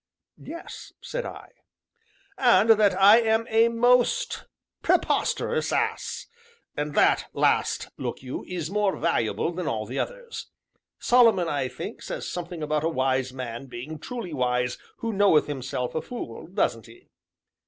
"Yes," said I. "And that I am a most preposterous ass! and that last, look you, is more valuable than all the others. Solomon, I think, says something about a wise man being truly wise who knoweth himself a fool, doesn't he?"